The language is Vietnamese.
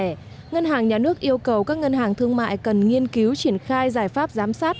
cụ thể ngân hàng nhà nước yêu cầu các ngân hàng thương mại cần nghiên cứu triển khai giải pháp giám sát